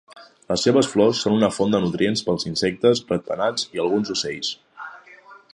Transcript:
Les seves flors són una font de nutrients pels insectes, ratpenats i alguns ocells.